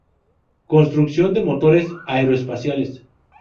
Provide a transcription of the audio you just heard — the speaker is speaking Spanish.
Construcción de motores Aeroespaciales.